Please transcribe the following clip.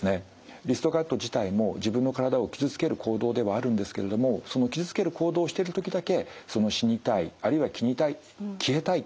リストカット自体も自分の体を傷つける行動ではあるんですけれどもその傷つける行動をしてる時だけその死にたいあるいは切りたい消えたいっていうですね